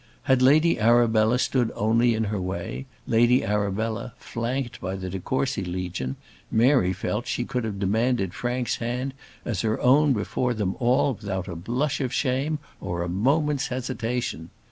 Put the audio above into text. Had Lady Arabella stood only in her way, Lady Arabella, flanked by the de Courcy legion, Mary felt that she could have demanded Frank's hand as her own before them all without a blush of shame or a moment's hesitation.